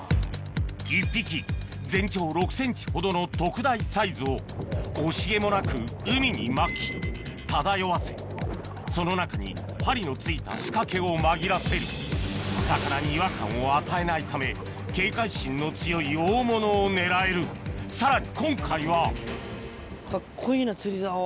１匹全長６ｃｍほどの特大サイズを惜しげもなく海にまき漂わせその中に針の付いた仕掛けを紛らせる魚に違和感を与えないため警戒心の強い大物を狙えるさらに